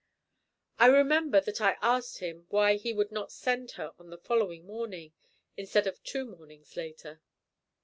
I remember that I asked him why he would not send her on the following morning, instead of two mornings later.